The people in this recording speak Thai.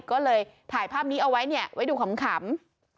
ก็เลยถ่ายภาพนี้เอาไว้เนี่ยไว้ดูขำ